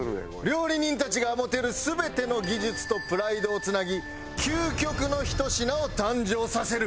料理人たちが持てる全ての技術とプライドをつなぎ究極のひと品を誕生させる。